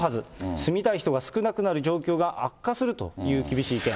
住みたい人が少なくなる状況が悪化するという厳しい意見。